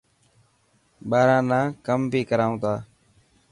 ٻاران نا ڪم بهي ڪرائون ٿا.